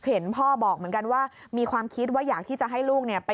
เห็นพ่อบอกเหมือนกันว่ามีความคิดว่าอยากที่จะให้ลูกเนี่ยไป